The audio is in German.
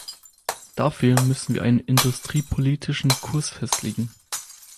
Dafür müssen wir einen industriepolitischen Kurs festlegen.